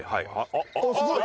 ああすごい！